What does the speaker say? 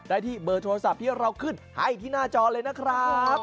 ได้ที่เบอร์โทรศัพท์ที่เราขึ้นให้ที่หน้าจอเลยนะครับ